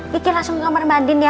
kiki langsung ke kamar mbak andin ya